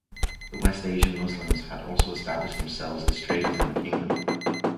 The West Asian Muslims had also established themselves as traders in the kingdom.